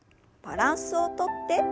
バランスをとって。